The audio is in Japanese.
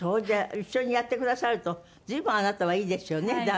じゃあ一緒にやってくださると随分あなたはいいですよね。